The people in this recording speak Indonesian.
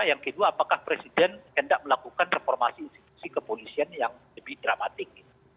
yang kedua apakah presiden hendak melakukan reformasi institusi kepolisian yang lebih dramatik